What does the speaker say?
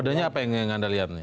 bedanya apa yang anda lihat nih